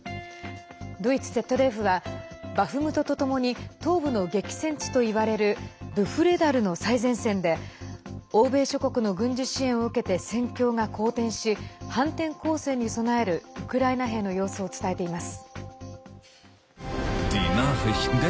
ドイツＺＤＦはバフムトとともに東部の激戦地といわれるブフレダルの最前線で欧米諸国の軍事支援を受けて戦況が好転し、反転攻勢に備えるウクライナ兵の様子を伝えています。